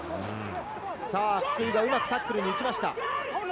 さあ、福井がうまくタックルにいきました。